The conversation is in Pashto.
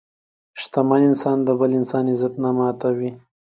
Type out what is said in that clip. شتمن انسان د بل انسان عزت نه ماتوي.